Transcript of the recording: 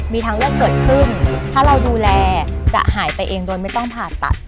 มีทางเลือกเกิดขึ้นถ้าเราดูแลจะหายไปเองโดยไม่ต้องผ่าตัด